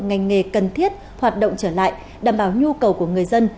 ngành nghề cần thiết hoạt động trở lại đảm bảo nhu cầu của người dân